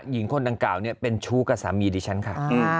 หญิงคนดังกล่าวเป็นชู้กับสามีดิฉันค่ะ